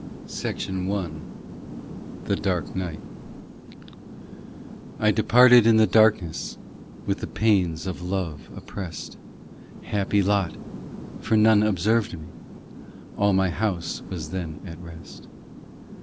POEMS 251 POEMS THE DARK NIGHT I DEPARTED in the darkness With the pains of love oppressed, Happy lot ! for none observed me ; All my house was then at rest.